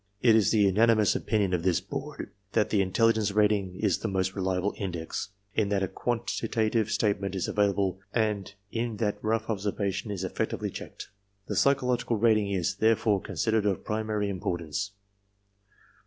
It is the unani mous opinion of this Board that the intelligence rating is the most reliable index^ in that a quantitative statement is available and in that METHODS AND RESULTS 15 rough observation is effectively checked. The psychological rating is, therefore, considered of primary importance.